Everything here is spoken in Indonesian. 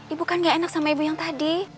ibu kan gak enak sama ibu yang tadi